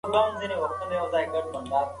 دوی زعفران د افغانستان غوره سوغات ګڼي.